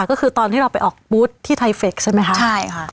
ก็คือตอนที่เราไปออกบูธที่ไทเฟคใช่ไหมคะใช่ค่ะ